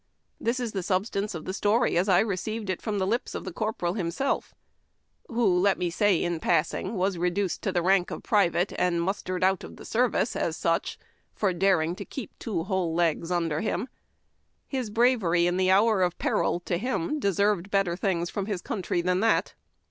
This is the substance of the story as I received it from the HOSPITALS AND AMBULANCES. 311 lij)S of the corporal liimseli', who, let me say in passing, was reduced to the rank of private, and mustered out of the ser vice as such, for daring to keep two whole legs under him. His bravery in the hour of peril — to him — deserved better things from his country than that.